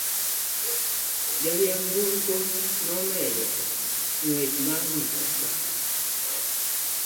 Jariemb nyamburko nomedo ng'wech mar matoka.